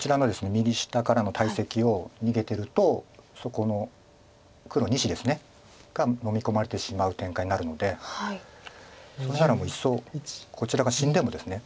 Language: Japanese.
右下からの大石を逃げてるとそこの黒２子ですねがのみ込まれてしまう展開になるのでそれならもういっそこちらが死んでもですね